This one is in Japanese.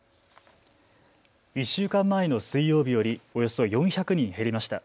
１週間前の水曜日よりおよそ４００人減りました。